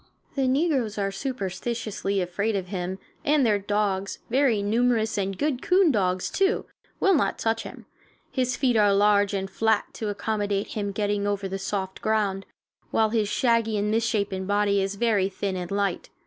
The negroes are superstitiously afraid of him, and their dogs, very numerous, and good coon dogs, too, will not touch him. His feet are large and flat, to accommodate him in getting over the soft ground, while his shaggy and misshapen body is very thin and light.